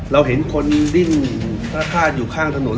เราเห็นคนดิ้นพระธาตุอยู่ข้างถนน